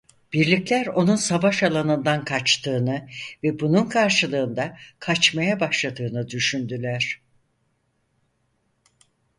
Birlikler onun savaş alanından kaçtığını ve bunun karşılığında kaçmaya başladığını düşündüler.